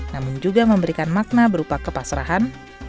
namun juga memberikan makna berupa kepasrahan